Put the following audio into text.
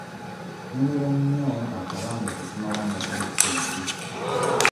Nnyumirwa nnyo akabanga ke tumala nga tuli ffembi.